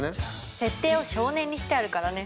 設定を少年にしてあるからね。